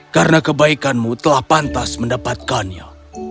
karena kebaikanmu telah pantas mendapatkannya